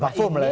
pak fum lah ya